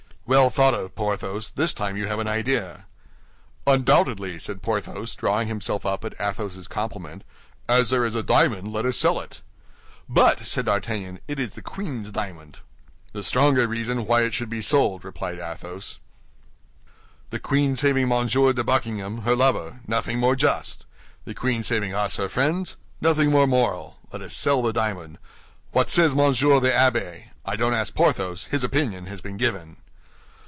"Well thought of, Porthos; this time you have an idea." "Undoubtedly," said Porthos, drawing himself up at Athos's compliment; "as there is a diamond, let us sell it." "But," said D'Artagnan, "it is the queen's diamond." "The stronger reason why it should be sold," replied Athos. "The queen saving Monsieur de Buckingham, her lover; nothing more just. The queen saving us, her friends; nothing more moral. Let us sell the diamond. What says Monsieur the Abbé? I don't ask Porthos; his opinion has been given."